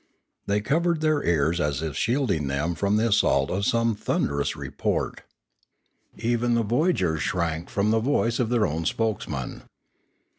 They covered their ears as if shielding them from the assault of some thunderous report. Even the voyagers shrank from the voice of their own spokesman.